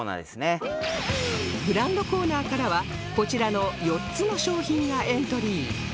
ブランドコーナーからはこちらの４つの商品がエントリー